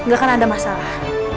ga akan ada masalah